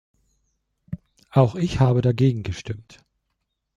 Auch ich habe dagegen gestimmt.